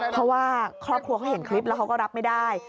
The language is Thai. เพราะว่าครอบครัวเขาเห็นคลิปแล้วเขาก็รับไม่ได้